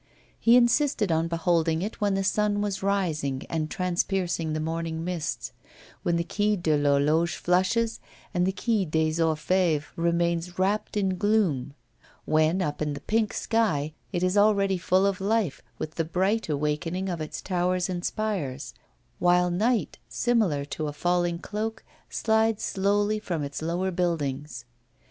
He insisted on beholding it when the sun was rising and transpiercing the morning mists, when the Quai de l'Horloge flushes and the Quai des Orfèvres remains wrapt in gloom; when, up in the pink sky, it is already full of life, with the bright awakening of its towers and spires, while night, similar to a falling cloak, slides slowly from its lower buildings.